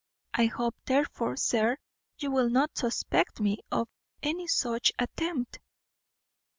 I hope, therefore, sir, you will not suspect me of any such attempt."